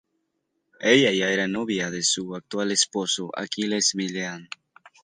Ella ya era novia de su actual esposo, Aquiles Millán.